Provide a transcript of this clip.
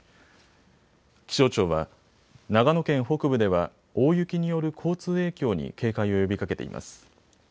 気象庁は長野県北部では大雪による交通影響に警戒を呼びかけています。